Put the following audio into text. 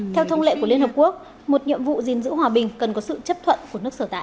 theo thông lệ của liên hợp quốc một nhiệm vụ gìn giữ hòa bình cần có sự chấp thuận của nước sở tại